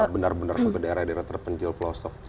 benar benar seberdaerah daerah terpencil pelosok